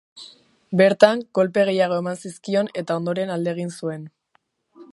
Bertan, kolpe gehiago eman zizkion eta ondoren alde egin zuen.